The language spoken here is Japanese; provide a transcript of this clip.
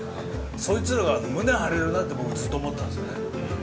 そいつらが胸張れるなって僕ずっと思ってたんですよね。